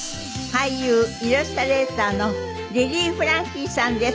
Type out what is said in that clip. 俳優イラストレーターのリリー・フランキーさんです。